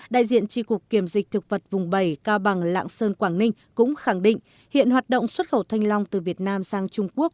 đại diện tri cục kiểm dịch thực vật vùng bảy cao bằng lạng sơn quảng ninh cũng khẳng định hiện hoạt động xuất khẩu thanh long từ việt nam sang trung quốc